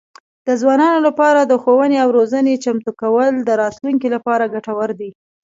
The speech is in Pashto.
د ځوانانو لپاره د ښوونې او روزنې چمتو کول د راتلونکي لپاره ګټور دي.